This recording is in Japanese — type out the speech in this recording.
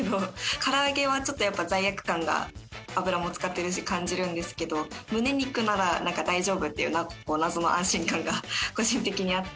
から揚げはちょっとやっぱ罪悪感が油も使ってるし感じるんですけどむね肉なら大丈夫っていう謎の安心感が個人的にあって。